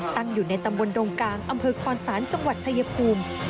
ตั้งอยู่ในตำบลดงกลางอำเภอคอนศาลจังหวัดชายภูมิ